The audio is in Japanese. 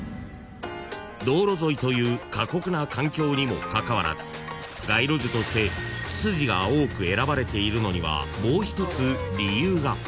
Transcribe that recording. ［道路沿いという過酷な環境にもかかわらず街路樹としてツツジが多く選ばれているのにはもう一つ理由が］